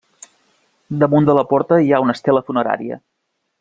Damunt de la porta hi ha una estela funerària.